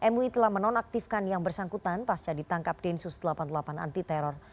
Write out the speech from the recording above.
mui telah menonaktifkan yang bersangkutan pasca ditangkap densus delapan puluh delapan anti teror